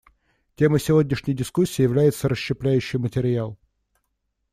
Темой сегодняшней дискуссии является расщепляющийся материал.